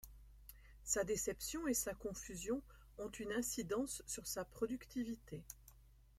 Sa déception et sa confusion ont une incidence sur sa productivité.